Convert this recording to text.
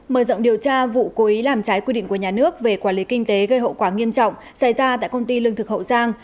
mở rộng điều tra vụ cố ý làm trái quy định của nhà nước về quản lý kinh tế gây hậu quả nghiêm trọng xảy ra tại công ty lương thực hậu giang